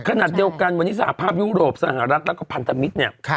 ขณะเดียวกันวันนี้สหภาพยุโรปสหรัฐแล้วก็พันธมิตรเนี่ย